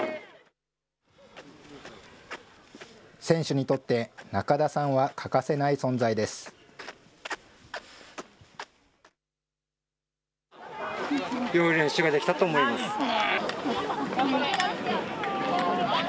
選手にとって、中田さんは欠かせない存在です。